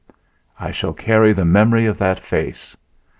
I shall carry the memory of that face.